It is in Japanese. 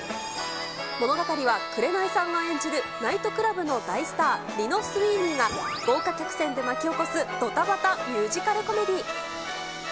物語は紅さんが演じるナイトクラブの大スター、リノ・スウィーニーが豪華客船で巻き起こすどたばたミュージカルコメディー。